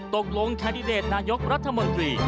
แคนดิเดตนายกรัฐมนตรี